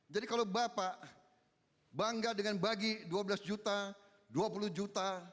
jadi kalau bapak bangga dengan bagi dua belas juta dua puluh juta